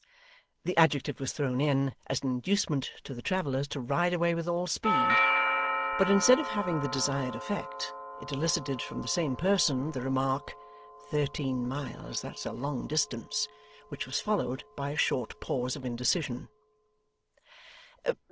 The adjective was thrown in, as an inducement to the travellers to ride away with all speed; but instead of having the desired effect, it elicited from the same person, the remark, 'Thirteen miles! That's a long distance!' which was followed by a short pause of indecision.